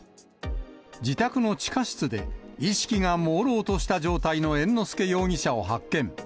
自宅の地下室で、意識がもうろうとした状態の猿之助容疑者を発見。